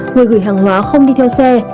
người gửi hàng hóa không đi theo xe